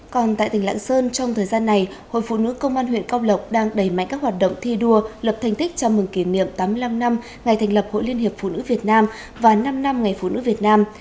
còn tại tỉnh lãng sơn trong thời gian này hội phụ nữ công an huyện cao lộc đang đẩy mạnh các hoạt động thi đua lập thành tích chào mừng kỷ niệm tám mươi năm năm ngày thành lập hội liên hiệp phụ nữ việt nam và năm năm ngày phụ nữ việt nam